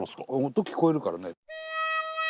音聞こえるからね。